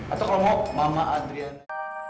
atau kalo mau mama adrena